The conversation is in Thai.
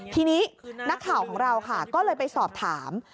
ทีนี้นักข่าวของเราค่ะก็เลยไปสอบถาม